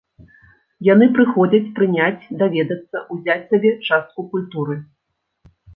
Яны прыходзяць прыняць, даведацца, узяць сабе частку культуры.